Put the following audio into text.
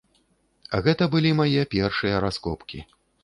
Гэта былі мае першыя раскопкі.